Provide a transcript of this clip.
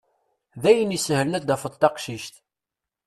Dayen isehlen ad tafeḍ taqcict.